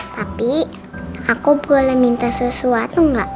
tapi aku boleh minta sesuatu enggak